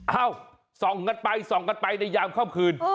ส่องกันไปส่องกันไปในยามค่ำคืน